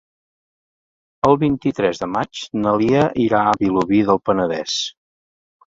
El vint-i-tres de maig na Lia irà a Vilobí del Penedès.